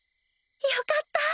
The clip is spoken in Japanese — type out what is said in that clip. よかった！